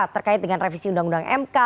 terkait dengan revisi undang undang mk